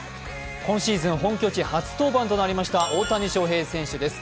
今シーズン本拠地初登板となりました大谷翔平選手です。